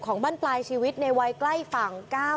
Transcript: บ้านปลายชีวิตในวัยใกล้ฝั่ง